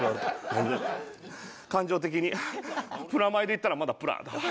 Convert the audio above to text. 感情的にプラマイで言ったらまだプラだわ。